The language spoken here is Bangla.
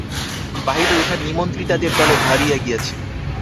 বাহিরের উঠান নিমন্ত্রিতাদের দলে ভরিয়া গিয়াছে।